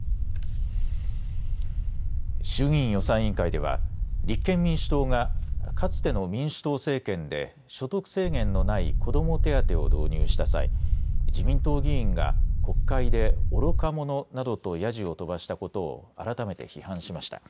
衆議院予算委員会では立憲民主党が、かつての民主党政権で所得制限のない子ども手当を導入した際、自民党議員が国会で愚か者などとヤジを飛ばしたことを改めて批判しました。